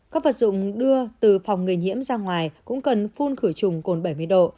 các vật dụng đưa từ phòng người nhiễm ra ngoài cũng cần phun khử trùng cồn bảy mươi độ